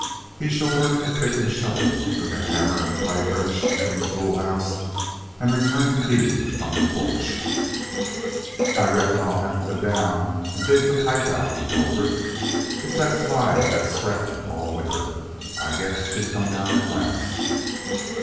He shouldered a pick and shovel, took a hammer and a pipe wrench from the tool house, and returned to Dede on the porch. "I reckon I'll have to go down and dig the pipe out," he told her. "It's that slide that's threatened all winter. I guess she's come down at last."